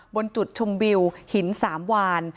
บนจุดชมวิวหินสามวาน